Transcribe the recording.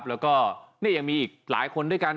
แล้วก็นี่ยังมีอีกหลายคนด้วยกัน